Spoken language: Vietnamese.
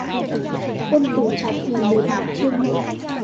Quân tử trả thù mười năm chưa muộn